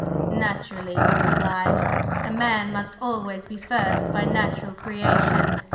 "Naturally!" he replied. "A man must always be first by natural creation.